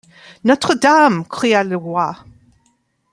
Notre-Dame ! cria le roi.